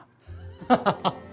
ハハハハ！